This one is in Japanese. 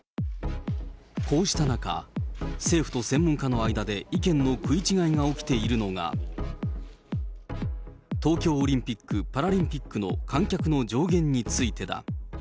こうした中、政府と専門家の間で意見の食い違いが起きているのが、東京オリンピック・パラリンピックの観客の上限についてだ。